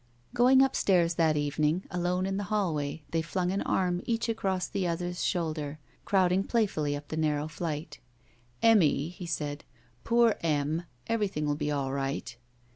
'* Going upstairs that evening, alone in the hallway, they fltmg an arm each across the other's shoulder, crowding plajrfully up the narrow flight. "Emmy," he said, "poor Em, everjrthing will be all right."